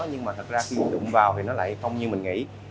nhưng mà thật ra khi mình đụng vào thì nó lại không như mình nghĩ